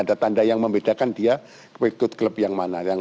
ada tanda yang membedakan dia ikut klub yang mana